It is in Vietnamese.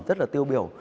rất là tiêu biểu